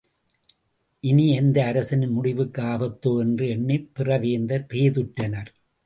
இனி எந்த அரசனின் முடிவுக்கு ஆபத்தோ? என்று எண்ணிப் பிறவேந்தர் பேதுற்றனர்.